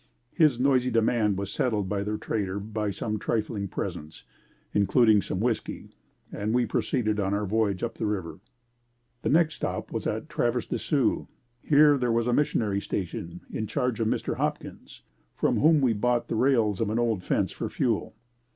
His noisy demand was settled by the trader by some trifling presents, including some whiskey and we proceeded on our voyage up the river. The next stop was at Traverse des Sioux. Here there was a Missionary station in charge of Mr. Hopkins, from whom we bought the rails of an old fence for fuel.